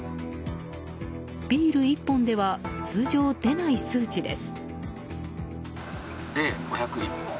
ビール１本では通常、出ない数値です。